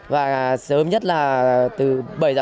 và sớm nhất là từ bảy h